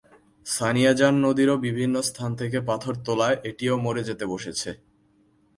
সানিয়াজান নদীরও বিভিন্ন স্থান থেকে পাথর তোলায় এটিও মরে যেতে বসেছে।